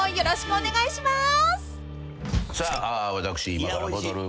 お願いしまーす。